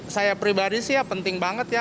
saya pribadi sih ya penting banget ya